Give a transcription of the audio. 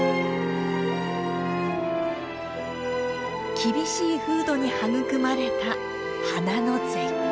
厳しい風土に育まれた花の絶景。